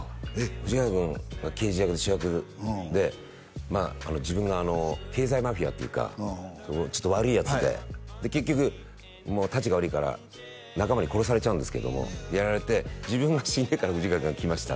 藤ヶ谷君が刑事役で主役でまあ自分が経済マフィアっていうかちょっと悪いヤツでで結局もうたちが悪いから仲間に殺されちゃうんですけどもやられて自分が死んでから藤ヶ谷君が来ました